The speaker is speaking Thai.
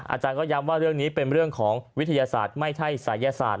อาจารย์ก็ย้ำว่าเรื่องนี้เป็นเรื่องของวิทยาศาสตร์ไม่ใช่ศัยศาสตร์